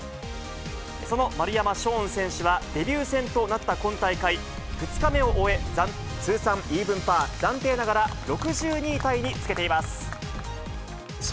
その丸山奨王選手は、デビュー戦となった今大会、２日目を終え、通算イーブンパー、暫定ながら６２位タイにつけています。